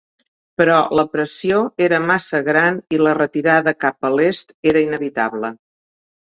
Però la pressió era massa gran i la retirada cap a l'est era inevitable.